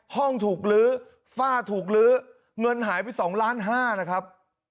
ห้องถูกลื้อฝ้าถูกลื้อเงินหายไป๒ล้านห้านะครับ